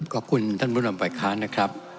ขอบคุณท่านบุญหลังหวังข้างนะครับ